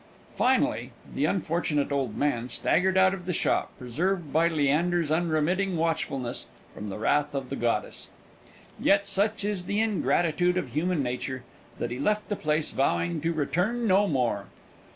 Finally, the unfortunate old man staggered out of the shop, preserved by Leander's unremitting watchfulness from the wrath of the goddess. Yet, such is the ingratitude of human nature, that he left the place vowing to return no more.